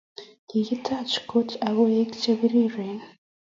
Kokitech kot ak koik che piriren